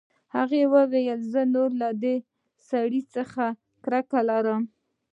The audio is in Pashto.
هغې وویل زه نور له دې سړیو څخه کرکه لرم